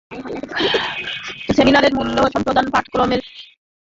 সেমিনারে মূল প্রবন্ধ পাঠ করেন চট্টগ্রাম বিশ্ববিদ্যালয়ের ইংরেজি সাহিত্যের অধ্যাপক মাসুদ মাহমুদ।